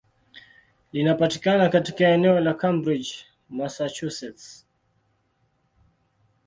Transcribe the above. Linapatikana katika eneo la Cambridge, Massachusetts.